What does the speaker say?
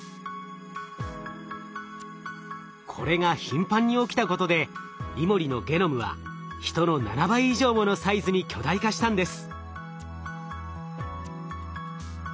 これが頻繁に起きたことでイモリのゲノムはヒトの７倍以上ものサイズに巨大化したんです。